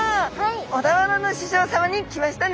小田原の市場さまに来ましたね！